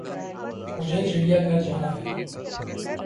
مجھے چڑیا گھر جانا ہے